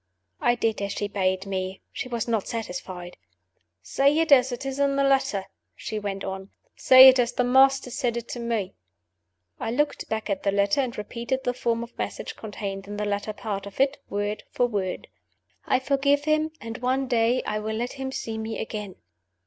I did as she bade me. She was not satisfied. "Say it as it is in the letter," she went on. "Say it as the Master said it to Me." I looked back at the letter, and repeated the form of message contained in the latter part of it, word for word: "I forgive him; and one day I will let him see me again."